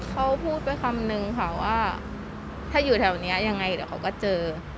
เขาพูดไปคำนึงค่ะว่าถ้าอยู่แถวนี้ยังไงเดี๋ยวเขาก็เจอ